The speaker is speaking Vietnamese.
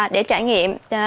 để trải nghiệm